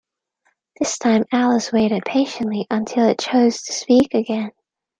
This time Alice waited patiently until it chose to speak again.